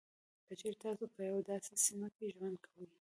که چېري تاسو په یوه داسې سیمه کې ژوند کوئ.